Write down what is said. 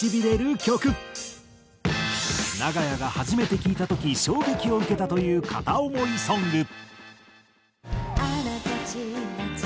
長屋が初めて聴いた時衝撃を受けたという片思いソング。